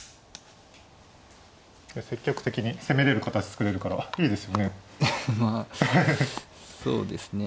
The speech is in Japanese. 積極的に攻めれる形作れるからいいですよね。